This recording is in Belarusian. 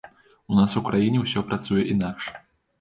У нас у краіне ўсё працуе інакш.